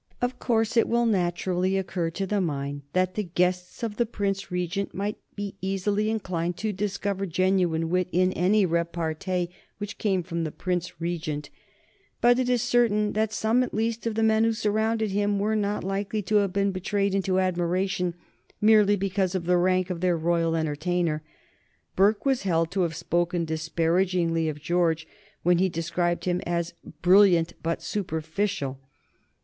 Of course it will naturally occur to the mind that the guests of the Prince Regent might be easily inclined to discover genuine wit in any repartee which came from the Prince Regent, but it is certain that some at least of the men who surrounded him were not likely to have been betrayed into admiration merely because of the rank of their royal entertainer. Burke was held to have spoken disparagingly of George when he described him as "brilliant but superficial."